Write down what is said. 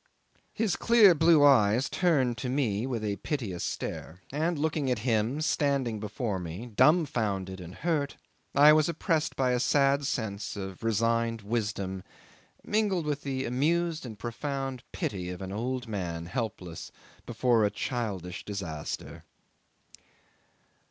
'His clear blue eyes turned to me with a piteous stare, and looking at him standing before me, dumfounded and hurt, I was oppressed by a sad sense of resigned wisdom, mingled with the amused and profound pity of an old man helpless before a childish disaster.